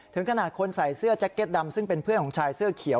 ถึงขนาดคนใส่เสื้อแจ็คเก็ตดำซึ่งเป็นเพื่อนของชายเสื้อเขียว